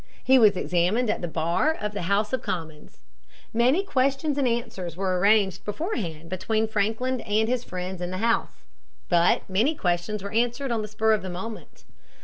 He was examined at the bar of the House of Commons. Many questions and answers were arranged beforehand between Franklin and his friends in the House. But many questions were answered on the spur of the moment.